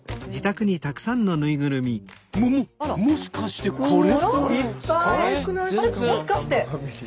もももしかしてこれ？